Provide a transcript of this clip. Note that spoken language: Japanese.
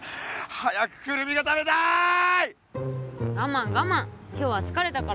早くクルミが食べたい。